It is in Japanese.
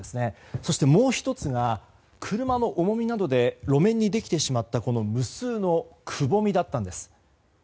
そして、もう１つが車の重みなどで路面にできてしまった無数のくぼみだったんです。